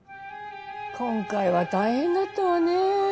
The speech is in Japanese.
今回は大変だったわね。